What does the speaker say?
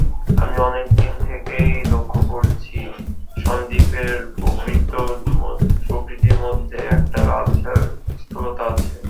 আমি অনেক দিন থেকেই লক্ষ্য করেছি, সন্দীপের প্রকৃতির মধ্যে একটা লালসার স্থূলতা আছে।